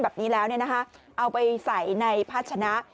แบบนี้แล้วเนี่ยนะคะเอาไปใส่ในพาชนะ